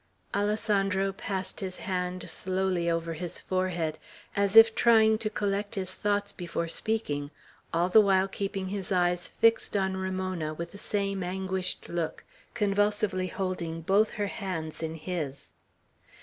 Alessandro passed his hand slowly over his forehead, as if trying to collect his thoughts before speaking, all the while keeping his eyes fixed on Ramona, with the same anguished look, convulsively holding both her hands in his.